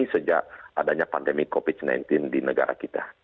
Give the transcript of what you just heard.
sejak adanya pandemi covid sembilan belas di negara kita